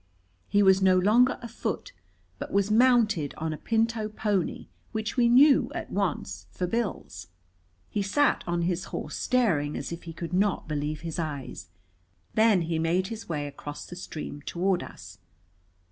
He was no longer afoot, but was mounted on a pinto pony, which we knew at once for Bill's. He sat on his horse, staring as if he could not believe his eyes. Then he made his way across the stream toward us.